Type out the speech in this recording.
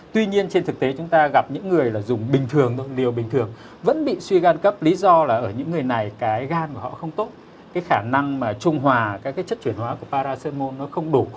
tuy nhiên trên thực tế chúng ta gặp những người là dùng bình thường liều bình thường vẫn bị suy gan cấp lý do là ở những người này cái gan của họ không tốt cái khả năng mà trung hòa các cái chất chuyển hóa của paracem môn nó không đủ